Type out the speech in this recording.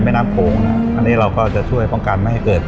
แม่น้ำโขงนะอันนี้เราก็จะช่วยป้องกันไม่ให้เกิด